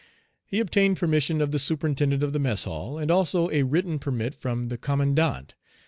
He obtained permission of the superintendent of the mess hall, and also a written permit from the commandant.